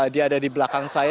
dia ada di belakang saya